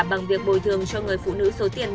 bằng việc bồi thường cho người phụ nữ số tiền